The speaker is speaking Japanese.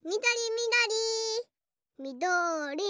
みどりみどり。